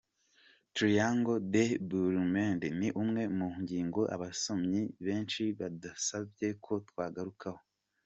Triangle des Bermude ni imwe mu ngingo abasomyi benshi badusabye ko twagarukaho.